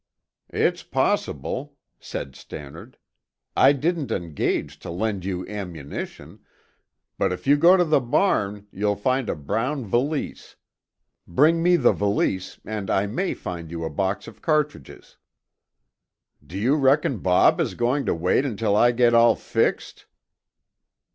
"It's possible," said Stannard. "I didn't engage to lend you ammunition, but if you go to the barn, you'll find a brown valise. Bring me the valise and I may find you a box of cartridges." "Do you reckon Bob is going to wait until I get all fixed?"